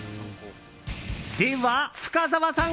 では、深澤さん